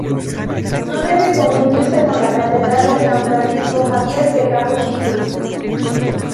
No debe confundirse con la Catedral de San Francisco Javier de Kagoshima.